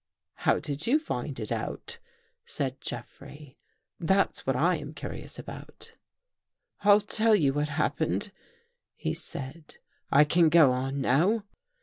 "How did you find it out?" said Jeffrey. " That's what I am curious about." " I'll tell you what happened," he said. " I can go on now."